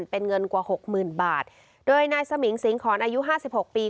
เป็นเงินกว่าหกหมื่นบาทโดยนายสมิงสิงหอนอายุห้าสิบหกปี